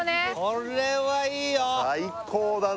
これはいいよ！